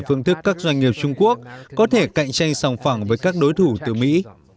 phương thức các doanh nghiệp trung quốc có thể cạnh tranh sòng phẳng với các đối thủ từ mỹ